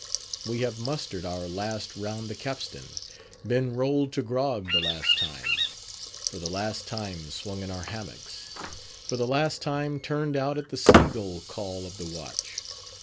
We have mustered our last round the capstan; been rolled to grog the last time; for the last time swung in our hammocks; for the last time turned out at the sea gull call of the watch.